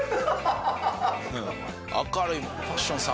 明るい。